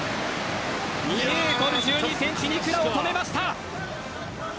２ｍ１２ｃｍのニクラを止めました。